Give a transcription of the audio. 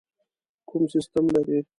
کوم سیسټم لرئ؟